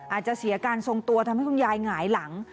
อาจจะเสียการทรงตัวทำให้คุณยายหงายหลัง